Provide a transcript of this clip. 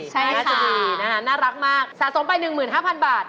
ใช่ค่ะน่ารักมากสะสมไป๑๕๐๐๐บาท